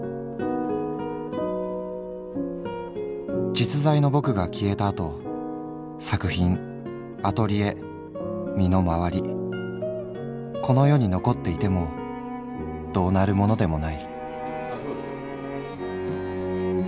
「実在のぼくが消えたあと作品アトリエ身の回りこの世に残っていてもどうなるものでもない」。